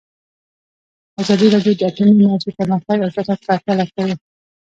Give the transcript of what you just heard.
ازادي راډیو د اټومي انرژي پرمختګ او شاتګ پرتله کړی.